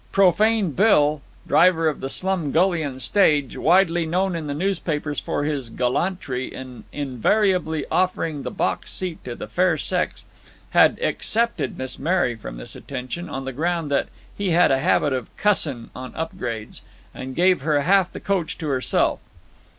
"Profane Bill," driver of the Slumgullion Stage, widely known in the newspapers for his "gallantry" in invariably offering the box seat to the fair sex, had excepted Miss Mary from this attention, on the ground that he had a habit of "cussin' on upgrades," and gave her half the coach to herself.